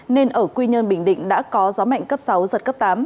nên ở quy nhơn bình định đã có gió mạnh cấp sáu giật cấp tám